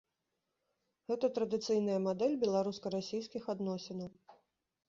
Гэта традыцыйная мадэль беларуска-расійскіх адносінаў.